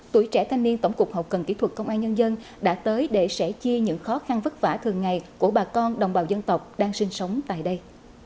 tuổi trẻ thanh niên tổng cục hậu cần kỹ thuật công an nhân dân đã tới để sẻ chia những khó khăn vất vả thường ngày của bà con đồng bào dân tộc đang sinh sống tại đây